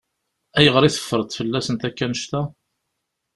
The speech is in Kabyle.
Ayɣer i teffreḍ fell-asent akk annect-a?